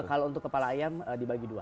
kalau untuk kepala ayam dibagi dua